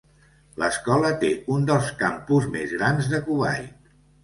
L'escola té un dels campus més grans de Kuwait.